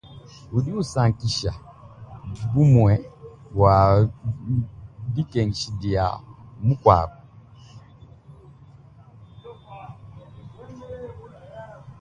Udi usankisha, bumue mu dikengesha dia mukuabu.